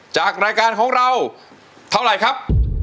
จากรายการของเราเท่าไหร่ครับ